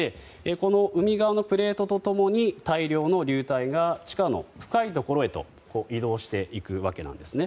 この海側のプレートと共に大量の流体が地下の深いところへと移動していくわけです。